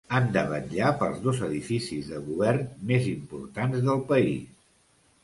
Han de vetllar pels dos edificis de govern més importants del país.